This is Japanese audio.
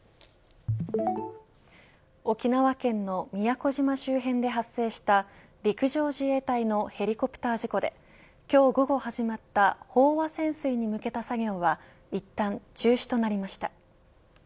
沖縄県の宮古島周辺で発生した陸上自衛隊のヘリコプター事故で今日午後始まった飽和潜水に向けた作業は一旦中止となりました。